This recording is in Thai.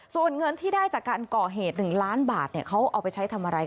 ส่วนเงินที่ได้จากการก่อเหตุ๑ล้านบาทเขาเอาไปใช้ทำอะไร